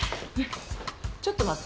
ちょっと待って？